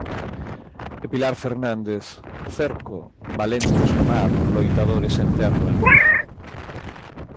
E Pilar Fernández, 'O cerco: valentes no mar, loitadores en terra'.